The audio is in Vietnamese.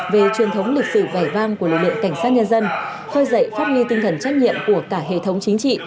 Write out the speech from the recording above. về truyền thống lịch sử vẻ vang của lực lượng cảnh sát nhân dân khơi dậy phát huy tinh thần trách nhiệm của cả hệ thống chính trị